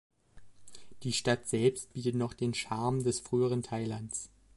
Die Stadt selbst bietet noch den Charme des früheren Thailands.